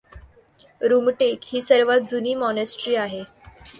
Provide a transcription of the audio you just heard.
रुमटेक ही सर्वात जुनी मॉनेस्ट्री आहे.